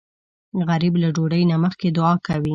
غریب له ډوډۍ نه مخکې دعا کوي